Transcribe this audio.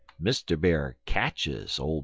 MR. BEAR CATCHES OLD MR.